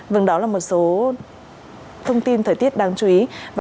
vâng đó là một số thông tin thời tiết đáng chú ý